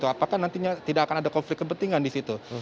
apakah nantinya tidak akan ada konflik kepentingan disitu